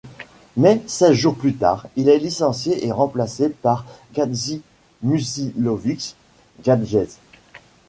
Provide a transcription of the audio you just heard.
Mais seize jours plus tard, il est licencié et remplacé par Gadži Muslimovič Gadžiev.